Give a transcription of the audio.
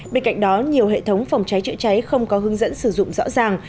bên cạnh đó nhiều hệ thống phòng cháy chữa cháy không có hướng dẫn sử dụng rõ ràng